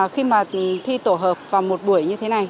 khi mà thi tổ hợp vào một buổi như thế này